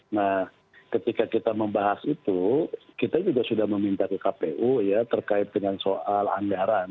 nah ketika kita membahas itu kita juga sudah meminta ke kpu ya terkait dengan soal anggaran